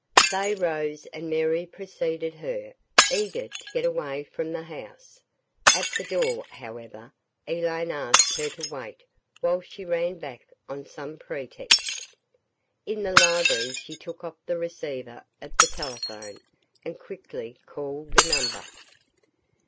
They rose and Mary preceded her, eager to get away from the house. At the door, however, Elaine asked her to wait while she ran back on some pretext. In the library she took off the receiver of the telephone and quickly called a number.